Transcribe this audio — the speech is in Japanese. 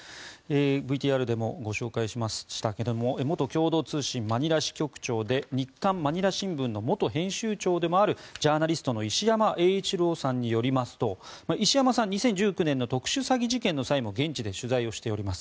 ＶＴＲでもご紹介しましたが元共同通信マニラ支局長で日刊まにら新聞の元編集長でもあるジャーナリストの石山永一郎さんによりますと石山さんは２０１９年の特殊詐欺事件の際も現地で取材をしております。